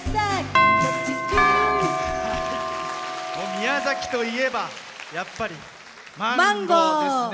宮崎といえば、やっぱりマンゴーですね。